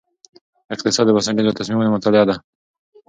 اقتصاد د بنسټیزو تصمیمونو مطالعه ده.